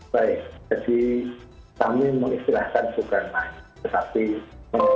baik jadi kami mengistilahkan bukan main tetapi